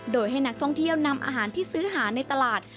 โดยให้นักท่องเที่ยวนำอาหารที่ซื้อหาในตลาด